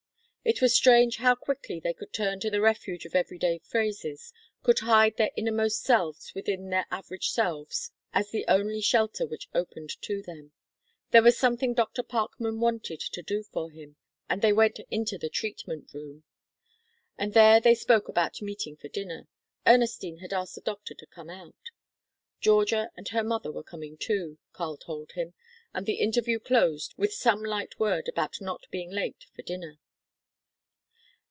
It was strange how quickly they could turn to the refuge of everyday phrases, could hide their innermost selves within their average selves as the only shelter which opened to them. There was something Dr. Parkman wanted to do for him, and they went into the treatment room. In there they spoke about meeting for dinner, Ernestine had asked the doctor to come out. Georgia and her mother were coming too, Karl told him, and the interview closed with some light word about not being late for dinner.